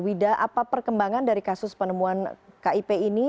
wida apa perkembangan dari kasus penemuan kip ini